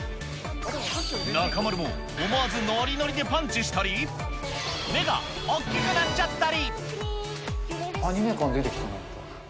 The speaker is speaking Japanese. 中丸も思わずノリノリでパンチしたり、目がおっきくなっちゃったり。